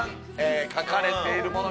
書かれているもの